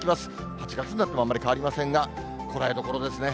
８月になってもあんまり変わりませんが、こらえどころですね。